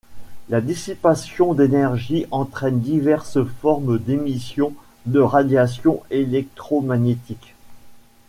La dissipation d'énergie entraîne diverses formes d'émissions de radiation électromagnétique.